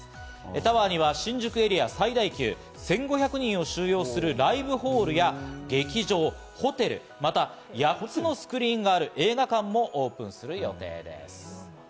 タワーには新宿エリア最大級、１５００人を収容するライブホールや劇場、ホテル、また８つのスクリーンがある映画館もオープンする予定です。